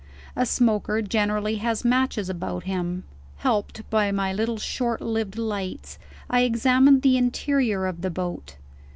A smoker generally has matches about him. Helped by my little short lived lights, I examined the interior of the boat.